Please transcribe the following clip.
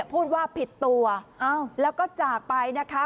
พูดว่าผิดตัวแล้วก็จากไปนะคะ